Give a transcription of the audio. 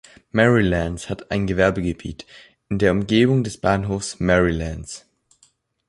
Merrylands hat ein Gewerbegebiet in der Umgebung des Bahnhofs Merrylands.